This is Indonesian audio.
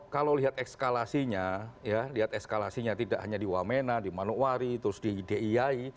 kalau lihat ekskalasinya ya lihat eskalasinya tidak hanya di wamena di manokwari terus di diyai